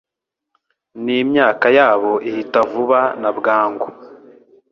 n’imyaka yabo ihita vuba na bwangu